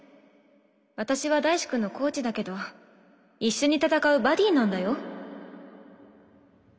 私は大志くんのコーチだけど一緒に戦うバディなんだよ。